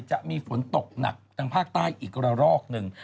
จะมีฝนตกหนักทางภาคใต้อีกระรอกหนึ่ง